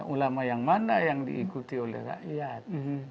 ulama yang mana yang diikuti oleh rakyat